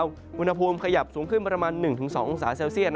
อุณหภูมิขยับสูงขึ้นประมาณ๑๒องศาเซลเซียต